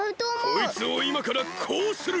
こいつをいまからこうする！